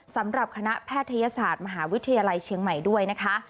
สำหรับคณะแพทยศาสตร์มหาวิทยาลัยเชียงใหม่ด้วยนะคะ